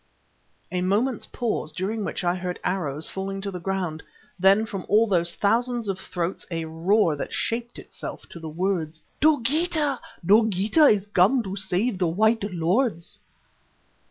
_" A moment's pause, during which I heard arrows falling to the ground; then from all those thousands of throats a roar that shaped itself to the words: "Dogeetah! Dogeetah is come to save the white lords."